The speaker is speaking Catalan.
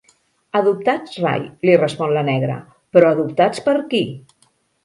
Adoptats rai —li respon la negra—, però adoptats per qui?